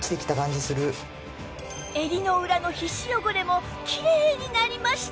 襟の裏の皮脂汚れもきれいになりました